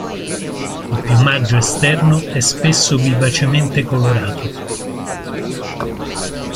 Il piumaggio esterno è spesso vivacemente colorato.